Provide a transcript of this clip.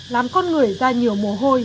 làm con người ra nhiều mồ hôi